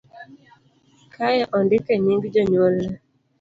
kae ondike nying' jonyuolne